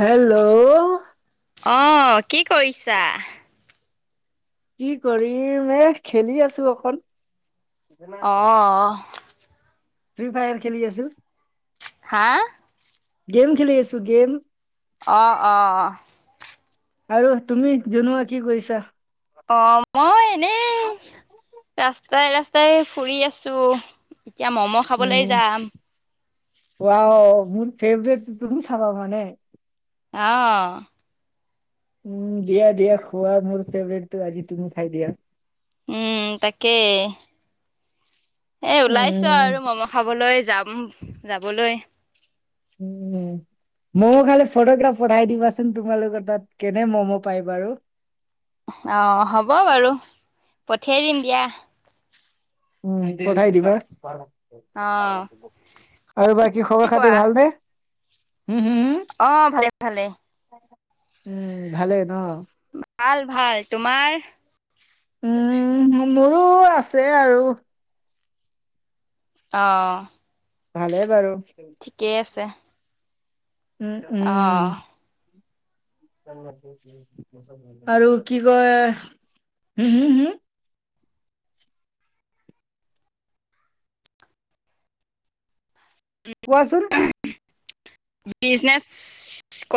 Hello! অঁ কি কৰিছা? কি কৰিম, এ খেলি আছো অকন। অ', ফ্ৰী ফায়াৰ খেলি আছো। হা? গেম খেলি আছোঁ, গেম। অ' অহ। আৰু তুমি জনোৱা, কি কৰিছাঁ? অ', মই এনেই। ৰাস্তাই ৰাস্তাই ফুৰি আছোঁ, এতিয়া মম খাবলৈ উম্, যাম। ৱাও মোৰ ফেভাৰেট, তুমি খাবা মানে। অঁ। উম্, দিয়া দিয়া খোৱা, মোৰ ফেভাৰেটো আজি তুমি খায় দিয়া। উম্, তাকেই। এ ওলাইছোঁ উম আৰু মম খাবলৈ যাম, যাবলৈ। উম। ম'ম' খালে ফটোকেইটা পঠাই দিবাচোন! তোমালোকৰ তাত কেনে ম'ম' পায় বাৰু। অঁ হ'ব বাৰু, পঠিয়াই দিম দিয়া। উম পঠাই দিবা। অ', আৰু বাকী কি খবৰ খাতি ভালনে? হম্, হম্, হম? অঁ ভালে ভালে। উম ভালেই ন? ভাল ভাল, তোমাৰ? উম্, মোৰো আছে আৰু। অঁ। ভালে বাৰু, আছে। উম অ', উম। আৰু কি কয়, হম হম হম? কোৱাচোন? বিজনেছ,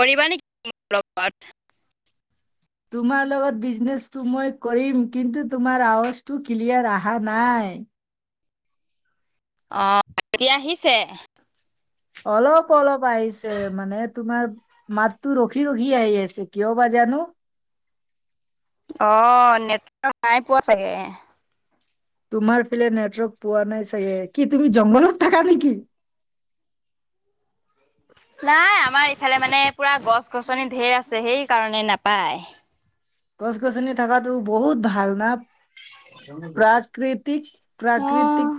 কৰিবা নেকি মোৰ লগত? তোমাৰ লগত বিজনেছটো মই কৰিম। কিন্তু, তোমাৰ আৱাজটো ক্লিয়াৰ অহা নাই। অ'! এতিয়া আহিছে? অলপ-অলপ আহিছে। মানে, তোমাৰ মাততো ৰখি-ৰখি আহি আছে। কিয় বা জানোঁ? অ'! নেটৱৰ্ক নাই পোৱা চাগে। তোমাৰ ফালে নেটৱৰ্ক পোৱা নাই চাগে। কি তুমি জংঘলত থাকা নেকি? নাই, আমাৰ এইফালে মানে, পূৰা গছ-গছনি ঢেৰ আছে, সেইকাৰণে নাপায়। গছ-গছনি থকাতো বহুত ভাল না। প্ৰাকৃতিক প্ৰাকৃতিক, অ'।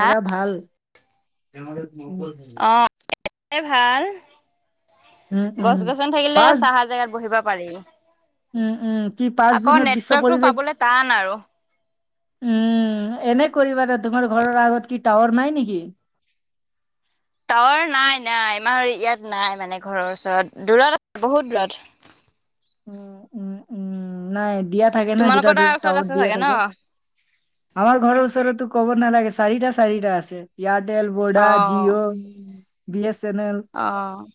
জেগা ভাল। অ'! ভাল। উম উম গছ-গছনি থাকিলে, পাঁচ ছাঁহ জেগাত বহিব পাৰি। উম, উম, কি পাঁচ আকৌ, জুনত বিশ্ব নেটৱৰ্কটো পৰিৱেশ পাবলে টান আৰু। উম, এনে কৰিবা না? তোমাৰ ঘৰৰ আগত, কি টাৱাৰ নাই নেকি? টাৱাৰ নাই-নাই। আমাৰ ইয়াত নাই মানে, ঘৰৰ ওচৰত, দূৰত বহুত দূৰত। উম, উম, উম, নাই। দিয়া থাকে না দুটা, তোমালোকৰ তাৰ দুটা ওচৰত টাৱাৰ আছে দিয়া চাগে ন? থাকে। আমাৰ ঘৰৰ ওচৰততো ক'ব নালাগে, চাৰিটা- চাৰিটা আছে। এয়াৰটেল, ভোডা, অ', জিঅ', বিএ ছেনেল। অ'!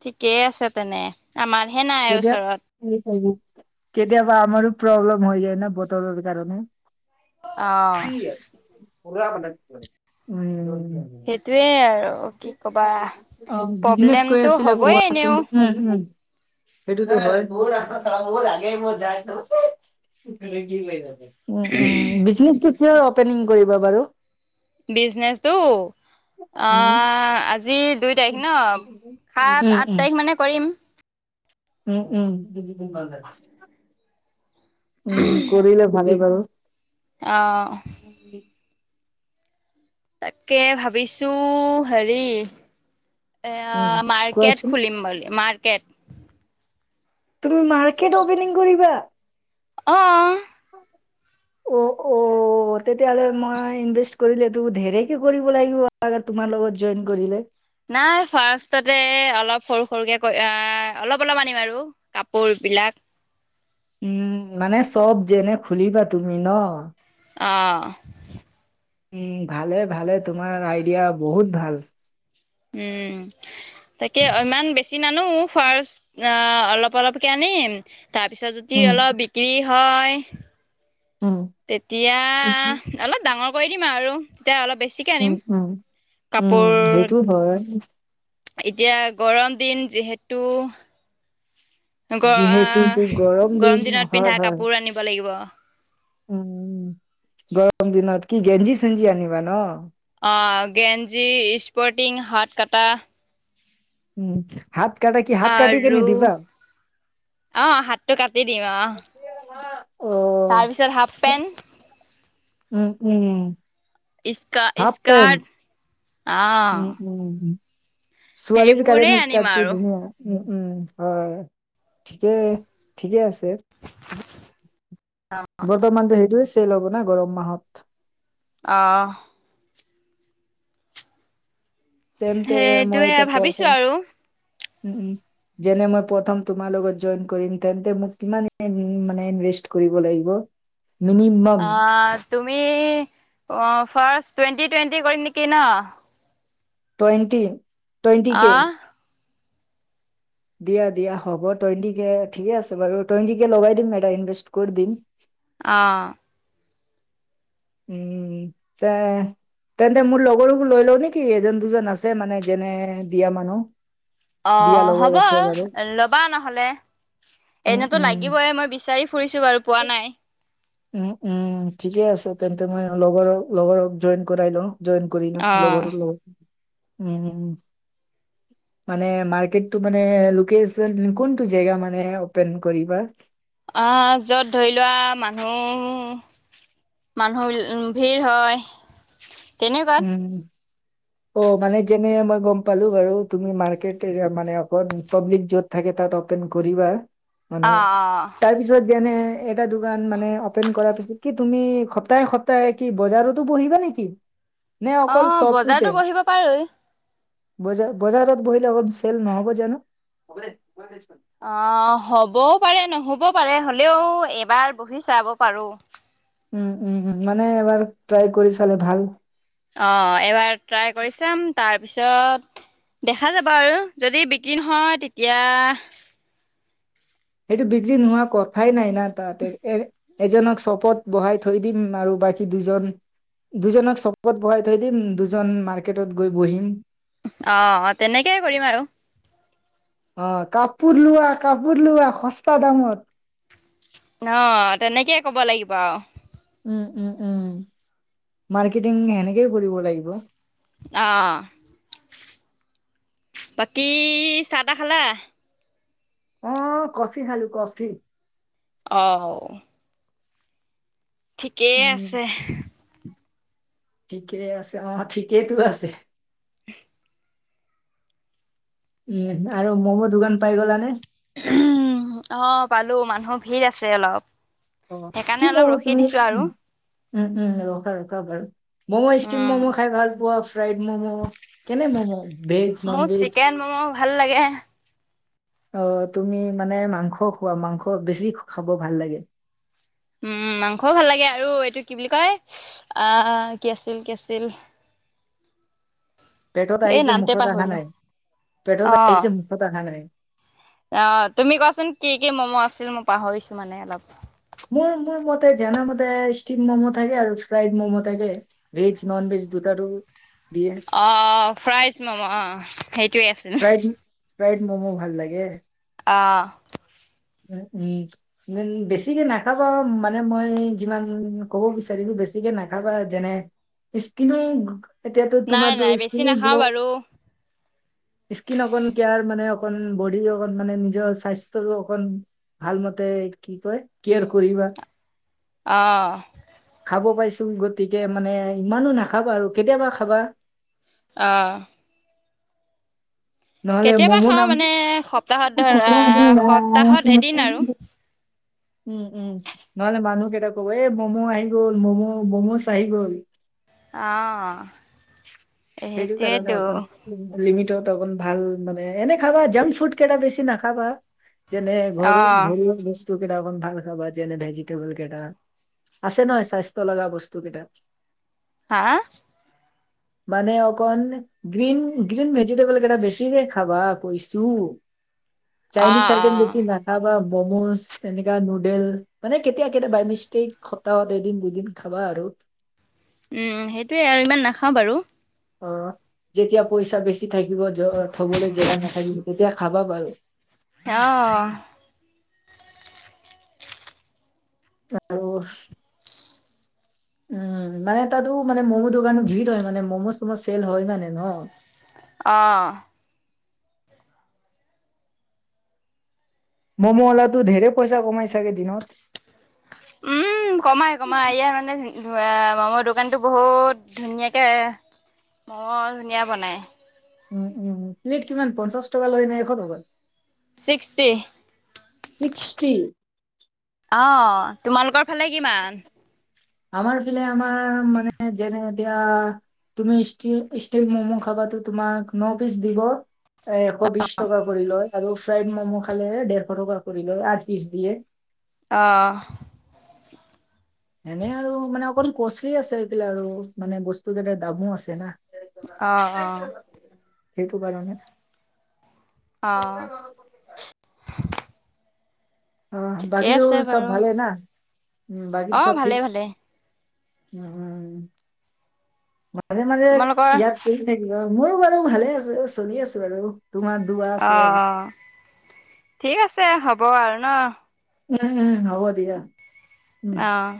ঠিকেই আছে, তেনে। আমাৰহে নাই কেতিয়া ওচৰত। কেতিয়াবা আমাৰো প্ৰব্লেম হৈ যায় ন'! বতৰৰ কাৰণে। অ'। [unintelligible] উম। সেইটোৱে আৰু। কি কবা অ'! বিজনেচ কৈ প্ৰব্লেমটো আছিলা, হ'বই এনেও কোৱাচোন? উম, উম। সেইটোতো হয়! [unintelligible] উম, উম, বিজনেছটো কিহৰ অপেনিং কৰিব বাৰু? বিজনেছটো, উম, আঁ আজি দুই তাৰিখ ন'? উম, সাত-আঠ উম। তাৰিখ মানে, কৰিম। উম, উম, [unintelligible] উম, কৰিলে ভালেই বাৰু। অ'! [inaudible] তাকে ভাবিছোঁ! সেৰি উম, এইয়া, মাৰ্কেট কোৱাচোন? খুলিম বুলি, মাৰ্কেট। তুমি মাৰ্কেট অপেনিং কৰিবা? অ'! অ' অ'! অ'! তেতিয়াহ'লে মই, ইনভেষ্ট কৰিলেতো, ধেৰে কে কৰিব লাগিব, তোমাৰ লগত জইন কৰিলে। নাই, ফাৰ্ষ্টতে অলপ, সৰু-সৰুকে, অলপ-অলপ আনিম আৰু কাপোৰ বিলাক। উম, মানে, চব যেনে, খুলিবা তুমি ন'? অ'! উম, ভালে-ভালে, তোমাৰ আইডিয়া বহুত ভাল! উম! তাকে, ইমান বেছি নানো। ফাৰ্ষ্ট অ' অলপ-অলপকে আনিম। তাৰপিছত, যদি উম, অলপ বিক্ৰী হয়, উম। তেতিয়া, উম, অলপ ডাঙৰ কৰি দিম আৰু। তেতিয়া অলপ বেছি উম, উম, উম, সেইটো হয়। এতিয়া গৰম দিন, যিহেতু। গৰ আ যিহেতুতো দিন গৰম দিনত পিন্ধা কাপোৰ আনিব লাগিব। উম গৰম দিনত কি গেঞ্জি-চেঞ্জি আনিবা ন'। অ গেঞ্জী, স্পৰ্টিং, হাত কটা উম হাত কাটা কি হাত কাটিকিনে আৰু দিবা। অ হাতটো কাটি দিম অ। [inaudible] তাৰপিছত হাফপেন্ট, উম উম হাফ পেণ্ট ইস্কা-ইস্কাৰট অ। উম, উম, ছোৱালীৰ সেইবোৰেই কাৰণে আনিম স্কাতটো আৰু ধুনীয়া। উম উম হয়, ঠিকে ঠিকে আছে। অ। বৰ্তমানতো সেইটোৱে চেল হ'ব না গৰম মাহত। অ। তেন্তে সেইটোৱে মইতে ভাবিছো এতিয়া আৰু [unintelligible] উম উম। যেনে মই প্ৰথম তোমাৰ লগত জইন্ট কৰিম তেন্তে মোক কিমান খিনি ইনভেষ্ট কৰিব লাগিব। মিনিমাম অ তুমি ফাৰ্ষ্ট টুৱেণ্টি টুৱেণ্টি কৰিম নেকি ন'। টুৱেণ্টি টুৱেণ্টি কে। অ' দিয়া দিয়া হ'ব টুৱেণ্টি কে ঠিকে আছে বাৰু টুৱেণ্টিকে লগাই দিম এটা ইনভেষ্ট কৰি দিম। অ। উম, তে তেন্তে মোৰ লগৰবোৰ লৈ লও নেকি? এজন দুজন আছে মানে যেনে দিয়া মানুহ। অ দিয়া লগৰ হ'ব আছে বাৰু ল'বা নহ'লে। উম এনেতো উম লাগিবই, মই বিচাৰি ফুৰিছো বাৰু পোৱা নাই। উম উম ঠিকে আছে তেন্তে মই লগৰক লগৰক জইন কৰাই লওঁ। জইন কৰি লো অ' লগৰ তোৰ লগত। উম উম মানে মাৰ্কেটো মানে লোকেচন কোনটো জেগাত মানে অপেন কৰিবা? আহ য'ত ধৰি লোৱা মানুহ মানুহ ভিৰ হয়। তেনেকুৱাত উম। অ মানে যেনে মই গম পালো বাৰু তুমি মাৰ্কেট মানে পাব্লিক য'ত থাকে তাত অপেন কৰিবা মানে অ' অ' তাৰপিছত যেনে এটা দোকান মানে অপেন কৰাৰ পিছত কি তুমি সপ্তাহে সপ্তাহে কি বজাৰতো বহিবা নেকি? নে অকল অ' বজাৰতো চপটোতে? বহিব পাৰোঁ বজা-বজাৰত বহিলে [unintelligible] চেল নহ'ব জানো। অ হ'বও পাৰে নহ'ব পাৰে, হ'লেও এবাৰ বহি চাব পাৰো। উম উম উম মানে এবাৰ ট্ৰাই কৰি চালে ভাল। অ এবাৰ ট্ৰাই কৰি চাম তাৰপিছত দেখা যাব আৰু, যদি বিক্ৰী নহয় তেতিয়া সেইটো বিক্ৰী নোহোৱা কথাই নাই না তাতে এ এ এজনক চপত বহাই থৈ দিম আৰু বাকী দুজন দুজনক চপত বহাই থৈ দিম, দুজন মাৰ্কেটত গৈ বহিম। অ অ তেনেকেই কৰিম আৰু। অ কাপোৰ লোৱা, কাপোৰ লোৱা সস্তা দামত। অ তেনেকেই ক'ব লাগিব আৰু উম উম উম মাৰ্কেটিং সেনেকেই কৰিব লাগিব অ বাকী চাহ তাহ খালা অ কফি খালোঁ কফি অঁ ঠিকেই আছে ঠিকেই আছে অ ঠিকেইতো আছে উম উম আৰু ম'ম' দোকান পাই গলানে উম অ পালোঁ মানুহ ভিৰ আছে অলপ অ সেইকাৰণে কিল অলপ ৰখি তুমি দিছোঁ আৰু উম উম ৰখা ৰখাবাৰু ম'ম' ষ্টিম উম। ম'ম' খাই ভাল পোৱা ফ্ৰাইড মমো কেনে ম'মো অ চিকেন মমো ভাল লাগে অ তুমি মানে মাংস খোৱা মাংস বেছি খাব ভাল লাগে উম মাংসও ভাল লাগে আৰু এইটো কি বুলি কয় আ কি আছিল কি আছিল পেটত এই আহিছে নামটোৱে মুখত অহা পাহৰিলোঁ নাই পেটত অ'। আহিছে মুখত অহা নাই অ তুমি কোৱাচোন কি কি মমো আছিল মই পাহৰিছোঁ মানে অলপ মোৰ মোৰ মতে মতে ষ্টিম মমো থাকে আৰু ফ্ৰাইড মমো থাকে ভেজ নন ভেজ দুট আৰু অ ফ্ৰাইজ মমো অ সেইটোৱে আছিল ফ্ৰাই মমো ভাল লাগে অঁ উম উম উম বেছিকে নাখাবা মানে মই যিমান ক'ব বিচাৰিলোঁ বেছিকে নাখাবা যেনে স্কিনো এতিয়া টো তোমাৰ নাই টো নাই বেছি স্কিনো নাখাওঁ গ্লো বাৰু স্কিন অকণ কেয়াৰ মানে অকণ বডি টো অকণ মানে নিজৰ স্বাস্থ্যৰো অকন ভাল মতে কি কয় কেয়াৰ কৰিবা অ', খাব পাইছোঁ। গতিকে মানে ইমানো নাখাবা আৰু কেতিয়াবা খাবা। অ', নহ'লে কেতিয়াবা মমো খাওঁ নাম মানে দিজ সপ্তাহত ধৰা সপ্তাহত এদিন আৰু। [inaudible] উম', উম, নহ'লে মানুহকেইটা ক'ব এ ম'ম' আহি গ'ল ম'ম' ম'ম' আহি গ'ল। অ', সেইটোয়েতো লিমিট অ, ভাল মানে এনে খাবা জাংক ফুড কেইটা বেছি নাখাবা। যেনে ঘৰু অ' ঘৰু বস্তু কেইটা অকণ ভাল খাবা যেনে ভেজিটেবল কেইটা আছে। নহয় স্বাস্থ্য লগা বস্তু কেইটা হা মানে অকন গ্ৰীণ গ্ৰীণ ভেজিটেবল কেইটা বেছিকে খাবা কৈছো। চাইনিজ অ' চাইকে অ' বেছি নাল তাৰপৰা মমোজ এনেকা নুডেল মানে কেতিয়া কেতিয়া বাই মিষ্টেক সপ্তাহত এদিন দুদিন দুদিন। খাবা আৰু উম সেইটোৱে আৰু ইমান নাখাওঁ বাৰু অ যেতিয়া পইচা বেছি থাকিব জ থবলৈ জেগাত নাথাকিব তেতিয়া খাবা বাৰু। আহ। আৰু উম মানে তাতো মানে ম'ম দোকানো ভিৰ হয়, মানে ম'ম' চোম চেল হয় মানে ন। অহ মম অলা তো ধেৰে পইচা কমাই ছাগে দিনত? উম কমাই কমাই ইয়াত মানে মমৰ দোকানতো বহুত ধুনীয়াকেই মম ধুনীয়া বনায়। উম উম, প্লেট কিমান পঞ্চাশ টকা লৈ নাই এখ টকা? চিছটি। ছিক্সটি। অহ, তোমালোকৰ ফালে কিমান? আমাৰ ফালে আমাৰ মানে যেনে এতিয়া তুমিষ্ট ষ্ট মম খাবাতো তোমাৰ ন পিচ দিব। এ এশ বিশ টকা কৰি লয় আৰু ফ্ৰায় মম খালে ডেৰশ টকা কৰি লয়। আৰ পিচ দিয়ে। অহ। এনে আৰু মানে অকণ কষ্টলি আছে। এইফে আৰু মানে বস্তু দামো আছে না। অ অ। [unintelligible] সেইটো কাৰণে। অহ। অ ঠিকেই বাকীটো আছে চব বাৰু ভালে না বাকীটো অ', চব ভালে ঠিক। ভালে উহুম মাজে মাজে তোমালোকৰ অ', ইয়াত কৰি থাকিব। মোৰো বাৰু ভালে আছে। চলি আছো বাৰু। অ ঠিক আছে হ'ব আৰু ন? উম উম হব দিয়া উম। আহ।